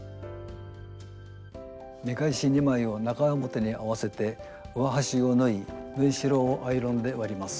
見返し２枚を中表に合わせて上端を縫い縫いしろをアイロンで割ります。